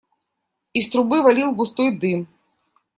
Из трубы валил густой дым.